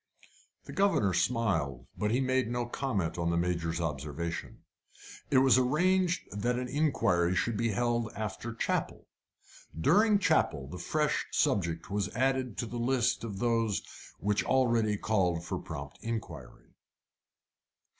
The governor smiled, but he made no comment on the Major's observation. It was arranged that an inquiry should be held after chapel. During chapel a fresh subject was added to the list of those which already called for prompt inquiry.